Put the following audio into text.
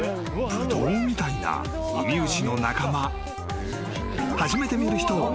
ブドウみたいなウミウシ。